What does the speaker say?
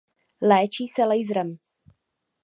Léčí se laserem.